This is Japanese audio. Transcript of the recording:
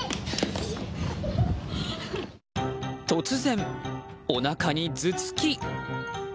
突然、おなかに頭突き。